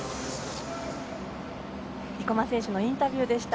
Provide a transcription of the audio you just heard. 生馬選手のインタビューでした。